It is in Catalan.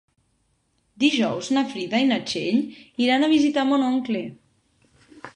Dijous na Frida i na Txell iran a visitar mon oncle.